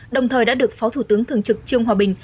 đồng thời đã được phó thủ tướng thường trực trương hòa bình